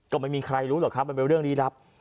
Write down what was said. ก็ไม่มีใครรู้หรอกครับมันเป็นเรื่องลี้ลับ